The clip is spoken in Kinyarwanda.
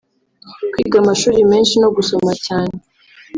kwiga amashuri menshi no gusoma cyane